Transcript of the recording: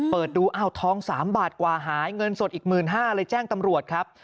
เปิดดูอ้าวทอง๓บาทกว่าหายเงินสดอีก๑๕๐๐เลยแจ้งตำรวจครับ